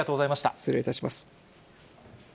失礼いたします。